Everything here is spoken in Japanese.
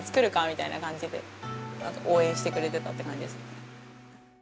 みたいな感じで応援してくれてたって感じです。